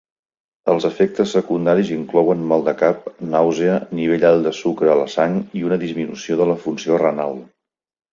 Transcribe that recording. Els efectes secundaris inclouen mal de cap, nàusea, nivell alt de sucre a la sang i una disminució de la funció renal.